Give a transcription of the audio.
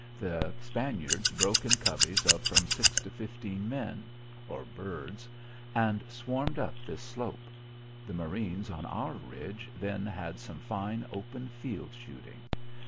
The Spaniards broke in coveys of from six to fifteen men or birds and swarmed up this slope. The marines on our ridge then had some fine, open field shooting.